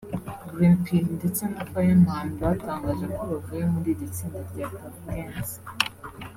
Green P ndetse na Fireman batangaje ko bavuye muri iri tsinda rya Tuff Gangz